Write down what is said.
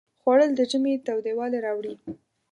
خوړل د ژمي تودوالی راوړي